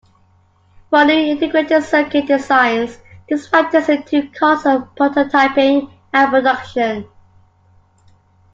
For new integrated-circuit designs, this factors into the costs of prototyping and production.